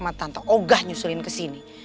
matan togah nyusulin kesini